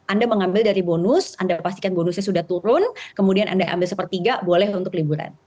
anda mengambil dari bonus anda pastikan bonusnya sudah turun kemudian anda ambil sepertiga boleh untuk liburan